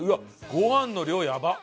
ご飯の量やばっ。